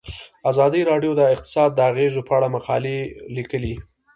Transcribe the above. ازادي راډیو د اقتصاد د اغیزو په اړه مقالو لیکلي.